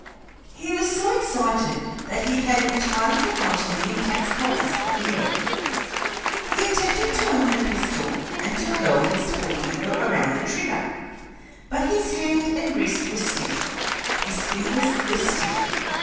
He was so excited that he had entirely forgotten the intense coldness of the air. He attempted to aim the pistol and to curl his forefinger around the trigger, but his hand and wrist were stiff, his fingers were stiff.